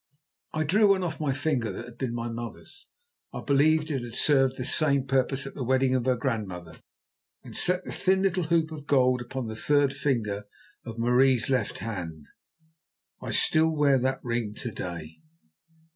I drew one off my finger that had been my mother's—I believe it had served this same purpose at the wedding of her grandmother—and set the thin little hoop of gold upon the third finger of Marie's left hand. I still wear that ring to day.